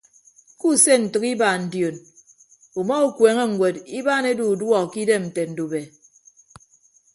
Kuuse ntәk ibaan dion uma ukueene ñwed ibaan edu uduọ ke idem nte ndube.